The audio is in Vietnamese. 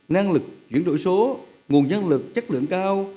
năng lực chuyển đổi số nguồn nhân lực chất lượng cao